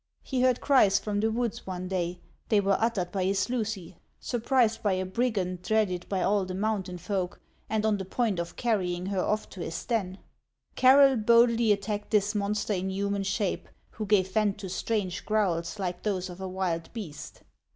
He heard cries from the woods one day ; they were uttered by his Lucy, surprised by a brigand dreaded by all the mountain folk, and on the point of carrying her off to his den. Carroll boldly attacked this monster in human shape, who gave vent to strange growls like those of a wild beast.